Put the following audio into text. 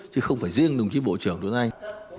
chứ không phải riêng đồng chí bộ trưởng trần tuấn anh